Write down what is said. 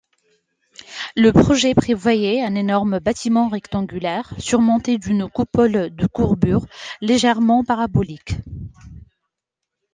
Le projet prévoyait un énorme bâtiment rectangulaire surmonté d'une coupole de courbure légèrement parabolique.